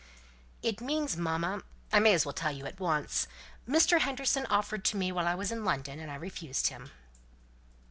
"It means mamma, I may as well tell you at once Mr. Henderson offered to me while I was in London, and I refused him."